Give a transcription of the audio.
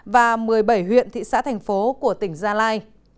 và một mươi bảy huyện thị xã thành phố của tỉnh gia lai